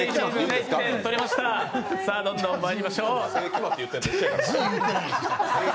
どんどんまいりましょう。